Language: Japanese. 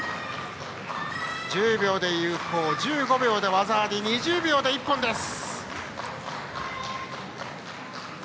１０秒で有効１５秒で技あり２０秒で一本です。